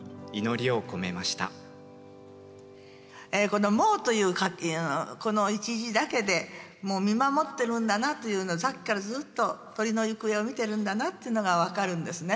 この「もう」というこの一字だけで見守ってるんだなというのさっきからずっと鳥の行方を見てるんだなっていうのが分かるんですね。